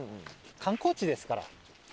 観光地ですから。